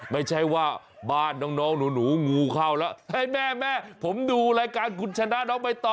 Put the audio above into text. ไม่ใช่ว่าบ้านน้องน้องหนูหนูงูเข้าล่ะนี่แม่แม่ผมดูรายการคุณชนะน้องไปต่อ